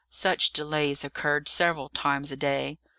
Such delays occurred several times a day.